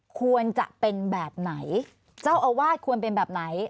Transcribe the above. ควรจะเป็นแบบไหนเจ้าอาวาสควรเป็นแบบไหน